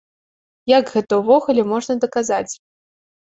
Як гэта ўвогуле можна даказаць?